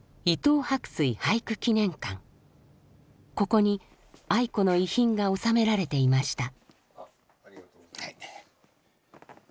ここに愛子の遺品が収められていました。